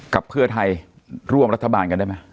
เพื่อไทยร่วมรัฐบาลกันได้ไหม